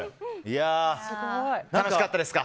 楽しかったですか？